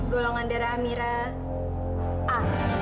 golongan darah amira